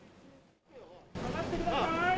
下がってください。